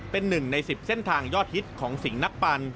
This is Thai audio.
เป็นหนึ่งใน๑๐เส้นทางยอดฮิตของสิงห์นักปัน